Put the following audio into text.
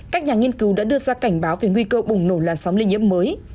các nhà nghiên cứu đã đưa ra cảnh báo về nguy cơ bùng nổ làn sóng lây nhiễm mới